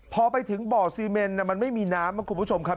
พอไปถึงเบาะซีเมนนะมันไม่มีน้ำนะคุณผู้ชมครับ